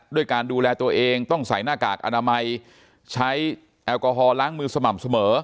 ด้วยการดูแลตัวเองต้องใส่หน้ากากอนามัยใช้แอลกอฮอลล้างมือสม่ำเสมอ